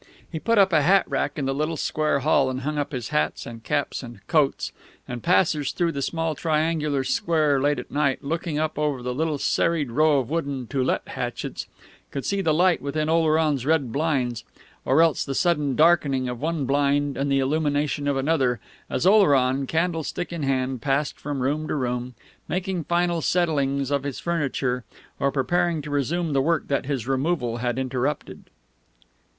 He put up a hat rack in the little square hall, and hung up his hats and caps and coats; and passers through the small triangular square late at night, looking up over the little serried row of wooden "To Let" hatchets, could see the light within Oleron's red blinds, or else the sudden darkening of one blind and the illumination of another, as Oleron, candlestick in hand, passed from room to room, making final settlings of his furniture, or preparing to resume the work that his removal had interrupted.